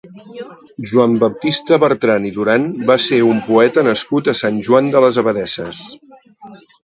Joan Baptista Bertran i Duran va ser un poeta nascut a Sant Joan de les Abadesses.